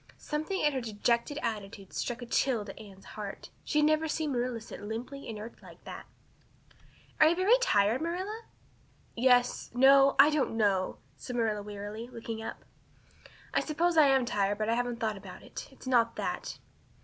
Something in her dejected attitude struck a chill to Anne's heart. She had never seen Marilla sit limply inert like that. "Are you very tired, Marilla?" "Yes no I don't know," said Marilla wearily, looking up. "I suppose I am tired but I haven't thought about it. It's not that."